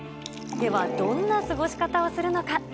ではどんな過ごし方をするのか。